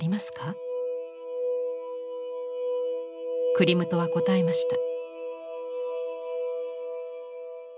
クリムトは答えました。